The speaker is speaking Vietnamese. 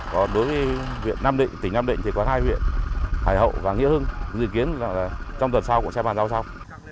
còn đối với viện năm định tỉnh năm định thì có hai viện hải hậu và nghĩa hưng dự kiến là trong tuần sau cũng sẽ bàn giao sau